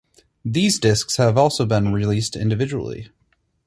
These discs have also been released individually.